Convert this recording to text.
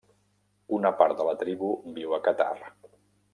Una part de la tribu viu a Qatar.